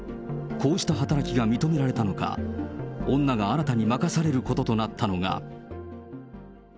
こうした働きが認められたのか、女が新たに任されることになったのが。